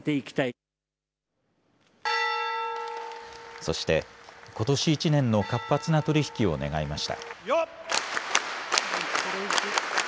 そして、ことし１年の活発な取り引きを願いました。